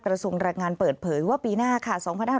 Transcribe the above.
กระทรวงแรงงานเปิดเผยว่าปีหน้าค่ะ